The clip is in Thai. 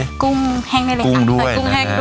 ใส่กุ้งแห้งด้วย